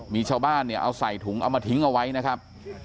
มีชาวบ้านเนี่ยเอาใส่ถุงเอามาทิ้งเอาไว้นะครับ